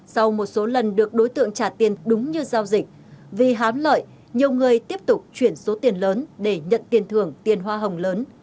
sau một số lần được đối tượng trả tiền đúng như giao dịch vì hám lợi nhiều người tiếp tục chuyển số tiền lớn để nhận tiền thưởng tiền hoa hồng lớn